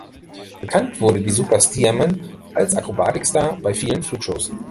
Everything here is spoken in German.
Bekannt wurde die "Super Stearman" als Akrobatik-Star bei vielen Flugshows.